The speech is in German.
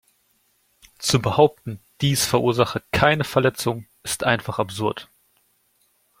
Zu behaupten, dies verursache keine Verletzung, ist einfach absurd.